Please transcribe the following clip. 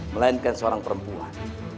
melainkan seorang perempuan